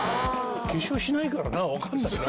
化粧しないからなわからないな。